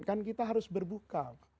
kan kita harus berbuka